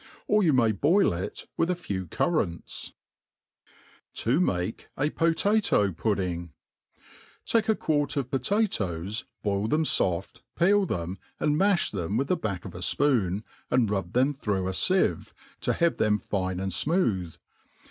Or you may boil it v/ith a few currants* To maki a PotaUo Puddhg* TAKE a quart of potatoes, boil theu) fofc, peel them, an^ maih them with the back of a fpoon, and rub them through a fieve, to have them fine and fmooth